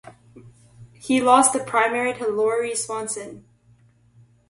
He lost the primary to Lori Swanson.